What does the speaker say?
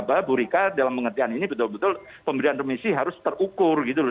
jadi bu rika dalam pengertian ini betul betul pemberian remisi harus terukur gitu loh